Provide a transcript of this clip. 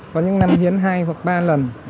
có những năm hiến hai hoặc ba lần